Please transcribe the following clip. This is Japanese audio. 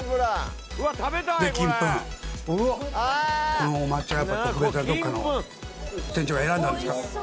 この抹茶特別などっかの店長が選んだんですか？